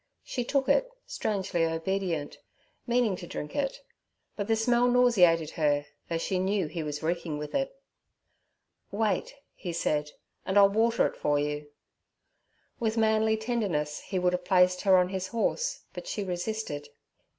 She took it, strangely obedient, meaning to drink it; but the smell nauseated her, though she knew he was reeking with it. 'Wait' he said, 'and I'll water it for you.' With manly tenderness he would have placed her on his horse, but she resisted.